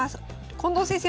近藤先生